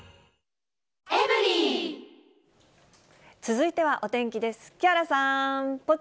続いてはお天気です。